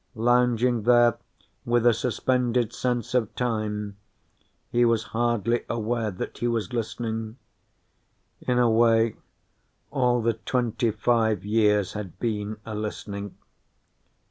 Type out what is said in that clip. Lounging there with a suspended sense of time, he was hardly aware that he was listening. In a way, all the twenty five years had been a listening.